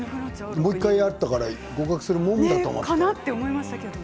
もう１回あったから合格するもんだと思っていた。